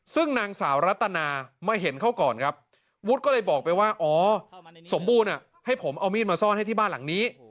ซึ่งนางสาวรัตนามาเห็นเขาก่อนครับวุฒิก็เลยบอกไปว่าอ๋อสมบูรณ์ให้ผมเอามีดมาซ่อนให้ที่บ้านหลังนี้